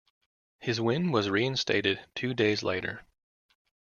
His win was reinstated two days later.